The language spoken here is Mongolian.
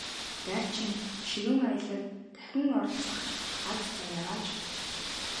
Дайчин ширүүн аялалд дахин оролцох аз заяагаач!